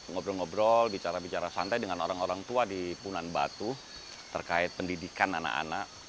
ngobrol ngobrol bicara bicara santai dengan orang orang tua di punan batu terkait pendidikan anak anak